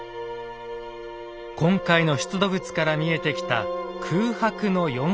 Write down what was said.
今回の出土物から見えてきた空白の４世紀。